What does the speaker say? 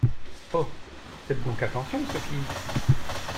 Oh ! faites donc attention, Sophie !